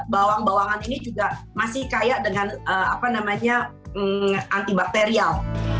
bahan bahan bawang ini juga masih kaya dengan antibakterial